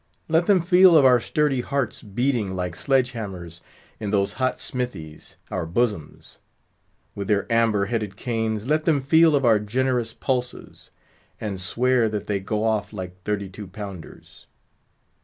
Let them feel of our sturdy hearts beating like sledge hammers in those hot smithies, our bosoms; with their amber headed canes, let them feel of our generous pulses, and swear that they go off like thirty two pounders.